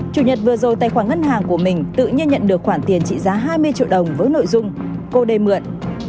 chủ nhật vừa rồi tài khoản ngân hàng của mình tự nhiên nhận được khoản tiền trị giá hai mươi triệu đồng với nội dung cô đê mượn